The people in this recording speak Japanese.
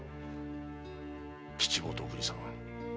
吉坊とお邦さん